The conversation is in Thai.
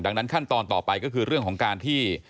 ดังนั้นขั้นตอนต่อไปก็คือเรื่องของการที่